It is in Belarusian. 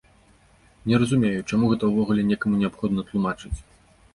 Не разумею, чаму гэта ўвогуле некаму неабходна тлумачыць!